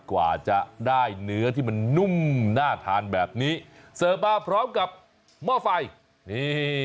กว่าจะได้เนื้อที่มันนุ่มน่าทานแบบนี้เสิร์ฟมาพร้อมกับหม้อไฟนี่